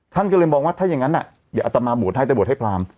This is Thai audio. ท่านก็เลยมองว่าถ้าอย่างนั้นเดี๋ยวอัตมาบวชให้แต่บวชให้พราม